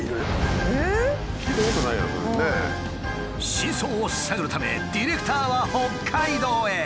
真相を探るためディレクターは北海道へ。